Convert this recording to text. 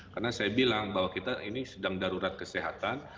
karena saya bilang bahwa kita ini sedang darurat kesehatan